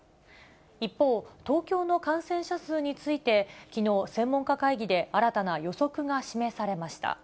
一方、東京の感染者数について、きのう、専門家会議で新たな予測が示されました。